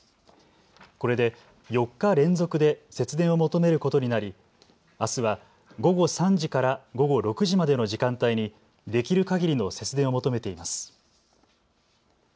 これで４日連続で節電を求めることになりあすは午後３時から午後６時までの時間帯にできるかぎりの節電を求めています。